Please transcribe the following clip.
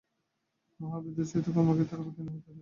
মহাবীর্যের সহিত কর্মক্ষেত্রে অবতীর্ণ হইতে হইবে।